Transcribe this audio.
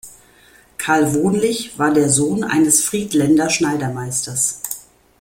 Karl Wohnlich war der Sohn eines Friedländer Schneidermeisters.